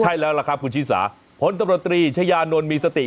ใช่แล้วล่ะครับคุณชิสาผลตำรวจตรีชายานนท์มีสติ